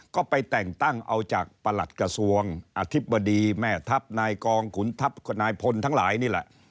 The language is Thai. ก็ไปแต่งตั้งเอาจากประหลัดกระทรวงอธิบดีแม่ทัพนายกองขุนทัพนายพลทั้งหลายนี่แหละ